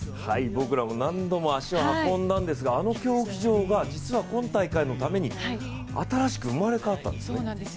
僕らも何度も足を運んだんですがあの競技場が実は今大会のために新しく生まれ変わったんです。